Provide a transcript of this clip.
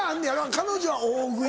彼女は大食い。